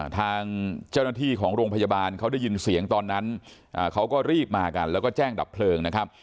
ทางเจ้าหน้าที่ของโรงพยาบาลเขาได้ยินเสียงตอนนั้นเขาก็รีบมากันแล้วก็แจ้งดับเพลิงนะครับ